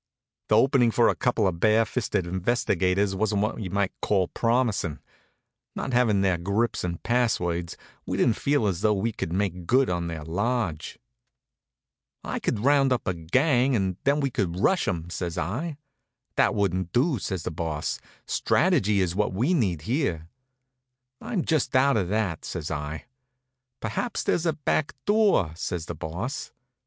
The opening for a couple of bare fisted investigators wasn't what you might call promisin'. Not having their grips and passwords, we didn't feel as though we could make good in their lodge. "I could round up a gang and then we could rush 'em," says I. "That wouldn't do," says the Boss. "Strategy is what we need here." "I'm just out of that," says I. "Perhaps there's a back door," says the Boss.